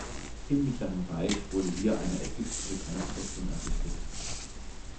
Im Mittleren Reich wurde hier eine ägyptische Grenzfestung errichtet.